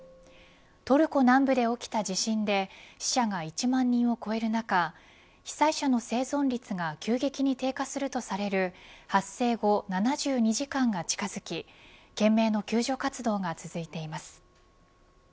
トルコ南部で起きた地震で死者が１万人を超える中被災者の生存率が急激に低下するとされる発生後７２時間が近づき懸命の救助活動が続いています。